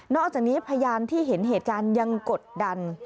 อกจากนี้พยานที่เห็นเหตุการณ์ยังกดดัน